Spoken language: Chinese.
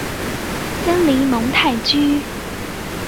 森林蒙泰居。